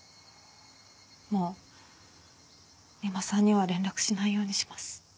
もう三馬さんには連絡しないようにします。